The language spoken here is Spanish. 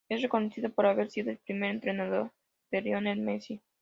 Es reconocido por haber sido el primer entrenador de Lionel Messi.